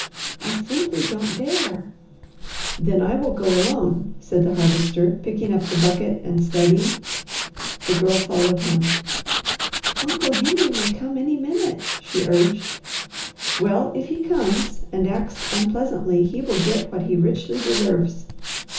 "I simply don't dare." "Then I will go alone," said the Harvester, picking up the bucket and starting. The Girl followed him. "Uncle Henry may come any minute," she urged. "Well if he comes and acts unpleasantly, he will get what he richly deserves."